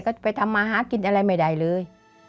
ก็จะไปทำมาหากินอะไรไม่ได้เลย